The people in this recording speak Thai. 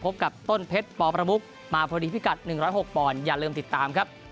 พบกับต้นเพชรปประมุกมาพอดีพิกัด๑๐๖ปอนด์อย่าลืมติดตามครับ